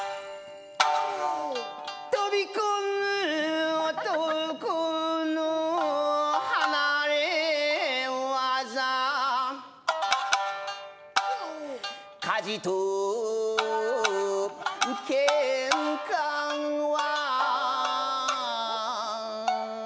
「飛び込む男の離れ業」「火事と喧嘩は」